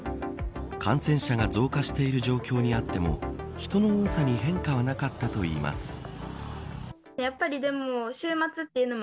感染者が増加している状況にあっても人の多さに変化はなかったといいます。